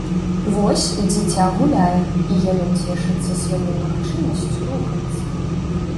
Вось, дзіця гуляе, і яно цешыцца сваёй магчымасцю рухацца.